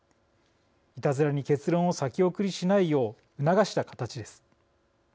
いたずらに結論を先送りしないよう促した形です。